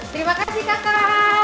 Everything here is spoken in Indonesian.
terima kasih kakak